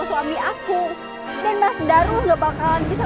padahal dia lagi sakit